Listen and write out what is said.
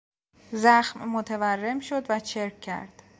زخم متورم شد و چرک کرد.